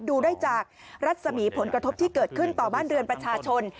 ดูได้จากรัศมีผลกระทบที่เกิดขึ้นต่อบ้านเรือนประชาชน